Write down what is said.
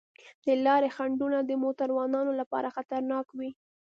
د لارې خنډونه د موټروانو لپاره خطرناک وي.